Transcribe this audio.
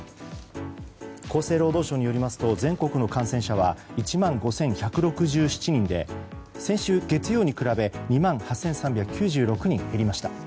厚生労働省によりますと全国の感染者は１万５１６７人で先週月曜日に比べ２万８３９６人減りました。